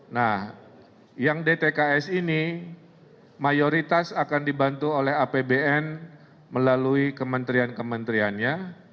nah yang dtks ini mayoritas akan dibantu oleh apbn melalui kementerian kementeriannya